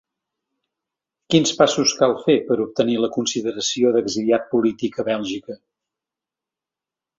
Quins passos cal fer per obtenir la consideració d’exiliat polític a Bèlgica?